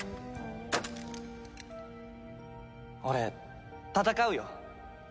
俺戦うよ！